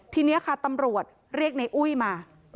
ทีนี้ค่ะตำรวจเรียกในอุ้ยมา